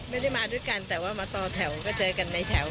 ไม่ได้มาด้วยกันแต่ว่ามาต่อแถวก็เจอกันในแถว